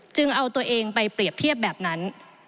เอาตัวเองไปเปรียบเทียบแบบนั้น